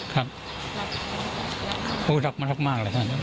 รับอะไรบอกรับมารับมากเลยค่ะ